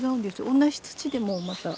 同じ土でもまた。